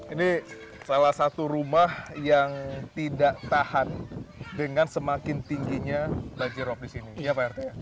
ini salah satu rumah yang tidak tahan dengan semakin tingginya banjir rob disini iya pak rt ya